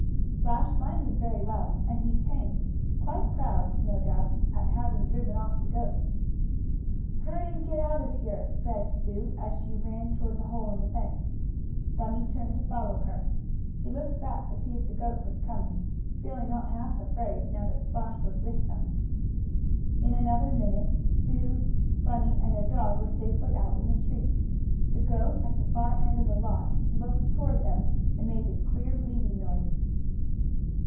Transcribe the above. Splash minded very well and back he came, quite proud, no doubt, at having driven off the goat. "Hurry and get out of here!" begged Sue, as she ran toward the hole in the fence. Bunny turned to follow her. He looked back to see if the goat was coming, feeling not half afraid, now that Splash was with them. In another minute Bunny, Sue and their dog were safely out in the street. The goat, at the far end of the lot, looked toward them and made his queer, bleating noise.